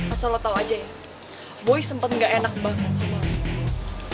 asal lu tau aja ya boy sempet gak enak banget sama aku